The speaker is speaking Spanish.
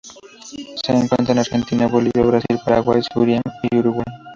Se encuentra en Argentina, Bolivia, Brasil, Paraguay, Surinam y Uruguay.